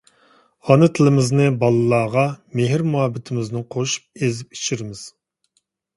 ئانا تىلىمىزنى بالىلارغا مېھىر-مۇھەببىتىمىزنى قوشۇپ ئېزىپ ئىچۈرىمىز.